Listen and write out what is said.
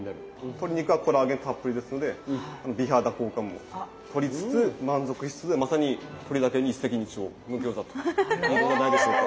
鶏肉はコラーゲンたっぷりですので美肌効果もとりつつ満足しつつでまさに鶏だけに一石二鳥の餃子といえるのではないでしょうか。